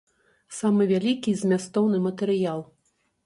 Самы вялікі і змястоўны матэрыял.